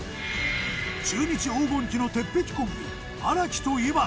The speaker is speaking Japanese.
中日黄金期の鉄壁コンビ荒木と井端。